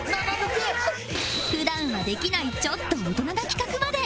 普段はできないちょっと大人な企画まで